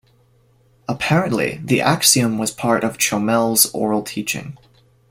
Apparently, the axiom was part of Chomel's oral teaching.